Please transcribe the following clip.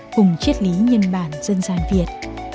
cùng chiết lý nhân bản dân dàn việt